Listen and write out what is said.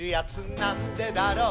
「なんでだろう」